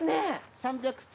３００坪！？